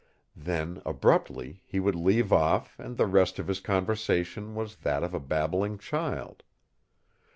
Then, abruptly, he would leave off and the rest of his conversation was that of a babbling child.